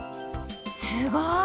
すごい！